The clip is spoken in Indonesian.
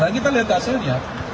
nah kita lihat hasilnya